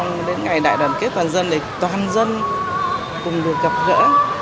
rất là mong đến ngày đại đoàn kết toàn dân để toàn dân cùng được gặp gỡ